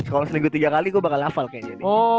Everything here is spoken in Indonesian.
kalau seminggu tiga kali gue bakal hafal kayak gini